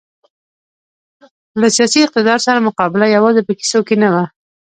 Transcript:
له سیاسي اقتدار سره مقابله یوازې په کیسو کې نه وه.